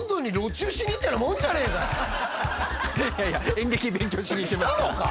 もういやいや演劇勉強しにいってましたしたのか！？